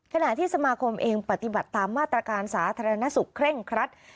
ขณะที่สมาคมเองปฏิบัติตามมาตรการสาธารณสุขเคร่งครัด